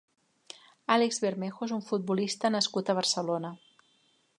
Álex Bermejo és un futbolista nascut a Barcelona.